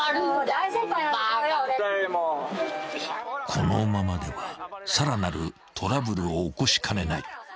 ［このままではさらなるトラブルを起こしかねない］